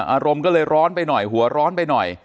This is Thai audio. อารมณ์ก็เลยร้อนไปหน่อยหัวร้อนไปหน่อย